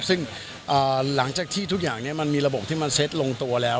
ซึ่งหลังจากที่ทุกอย่างนี้มันมีระบบที่มันเซ็ตลงตัวแล้ว